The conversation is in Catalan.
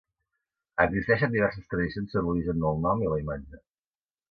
Existeixen diverses tradicions sobre l'origen del nom i la imatge.